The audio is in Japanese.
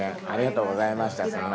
ありがとうございます。